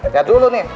lihat dulu nih